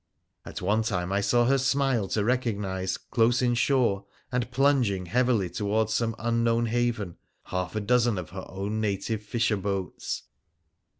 At one time I saw her smile to recognise, close in shore, and plunging heavily towards some unknown haven, half a dozen of her own native fisher boats.